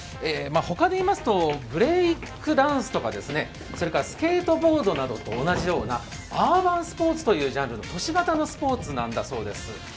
ほかでいいますと、ブレークダンスとかスケートボードなどと同じようなアーバンスポーツというジャンルの都市型のスポーツなんだそうです。